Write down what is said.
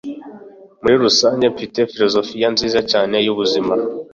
muri rusange mfite filozofiya nziza cyane y'ubuzima